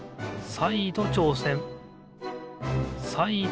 さいどちょうせん。